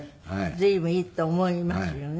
随分いいと思いますよね。